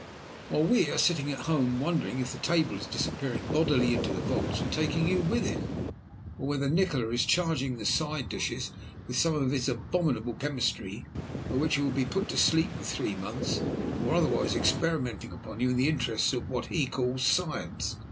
"While we are sitting at home, wondering if the table is disappearing bodily into the vaults and taking you with it, or whether Nikola is charging the side dishes with some of his abominable chemistry, by which you will be put to sleep for three months, or otherwise experimenting upon you in the interests of what he calls Science.